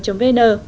phong văn hóa org vn